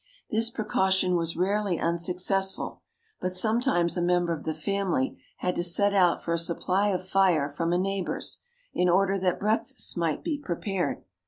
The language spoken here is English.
This precaution was rarely unsuccessful; but sometimes a member of the family had to set out for a supply of fire from a neighbour's, in order that breakfast might be prepared.